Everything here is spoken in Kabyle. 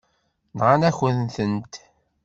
Nɣan-akent-tent.